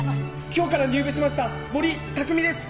今日から入部しました森拓己です。